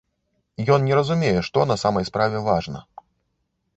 Ён не разумее, што на самай справе важна.